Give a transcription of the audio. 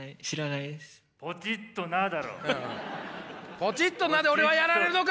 「ポチッとな！」で俺はやられるのか！